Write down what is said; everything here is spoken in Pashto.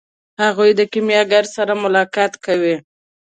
هغه د کیمیاګر سره ملاقات کوي.